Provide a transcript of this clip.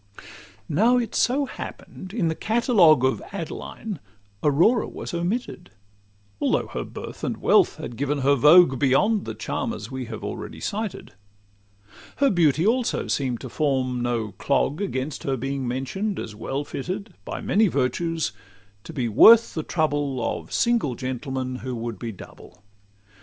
Now it so happen'd, in the catalogue Of Adeline, Aurora was omitted, Although her birth and wealth had given her vogue Beyond the charmers we have already cited; Her beauty also seem'd to form no clog Against her being mention'd as well fitted, By many virtues, to be worth the trouble Of single gentlemen who would be double.